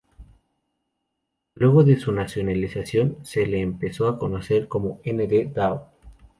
Luego de su nacionalización, se le empezó a conocer como N. D. Dao.